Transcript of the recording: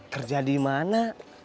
kerja di mana